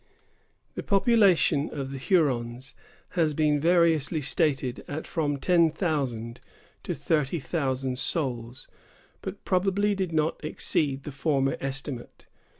The population of the Hurons has been variously stated at from ten thousand to thirty thousand souls, but probably did not exceed the former estimate.